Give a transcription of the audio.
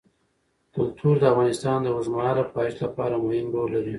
کلتور د افغانستان د اوږدمهاله پایښت لپاره مهم رول لري.